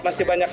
masih banyak hal